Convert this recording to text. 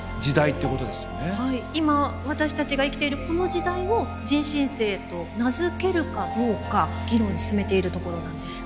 今私たちが生きているこの時代を人新世と名付けるかどうか議論を進めているところなんです。